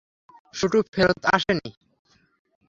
শুটু ফেরত আসেনি?